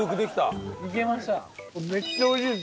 めっちゃ美味しいです。